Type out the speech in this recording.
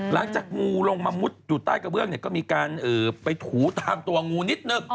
หลังจากงูลงมามุดอยู่ใต้กระเบื้องเนี่ยก็มีการไปถูตามตัวงูนิดนึง